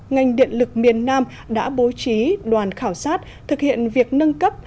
ngành điện lực miền nam đã bố trí đoàn khảo sát thực hiện việc nâng cấp